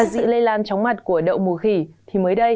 trong khi lây lan trống mặt của đậu mù khỉ thì mới đây